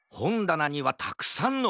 なにはたくさんのほん！